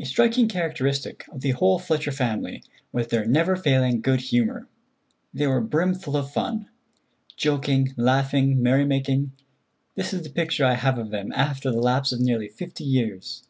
A striking characteristic of the whole Fletcher family was their never failing good humor; they were brimful of fun. Joking, laughing, merry making—this is the picture I have of them after the lapse of nearly fifty years.